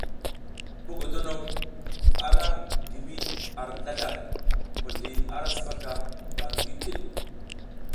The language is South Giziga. Mogodonok a ra gi mi ar zlazlar, mizli ara sipaka ba ngi kiɗ.